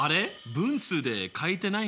分数で書いてないんだ。